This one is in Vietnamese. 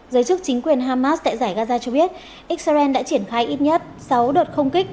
giới chức chính quyền hamas tại giải gaza cho biết israel đã triển khai ít nhất sáu đợt không kích